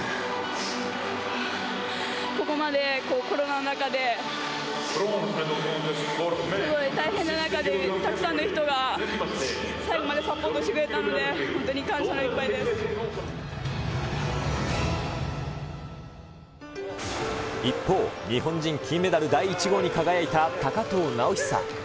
ここまでコロナの中で、すごい大変な中で、たくさんの人が最後までサポートしてくれたので、本当に感謝でい一方、日本人金メダル第１号に輝いた高藤直寿。